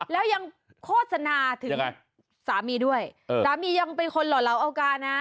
แล้วยังโฆษณาถึงสามีด้วยสามียังเป็นคนหล่อเหลาเอากานะ